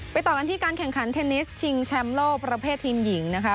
ต่อกันที่การแข่งขันเทนนิสชิงแชมป์โลกประเภททีมหญิงนะคะ